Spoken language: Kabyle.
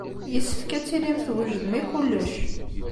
Yessefk ad tilim twejdem i kullec.